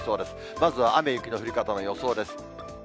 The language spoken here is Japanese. まずは雨や雪の降り方の予想です。